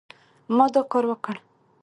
ما دا کار وکړ